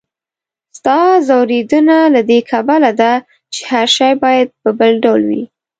ستا ځوریدنه له دې کبله ده، چې هر شی باید بل ډول وي.